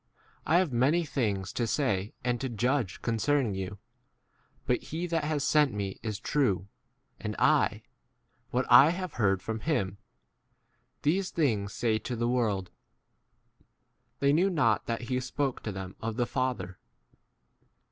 I have many things to say and to judge concerning you, but he that has sent me is true, and I, what I * have heard from him, these things say to the world. ' They knew not that he spoke to ? them of the Father.